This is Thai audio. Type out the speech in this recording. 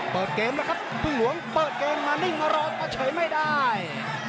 เปิดเกมแล้วครับพึ่งหลวงเปิดเกมมานิ่งมารอมาเฉยไม่ได้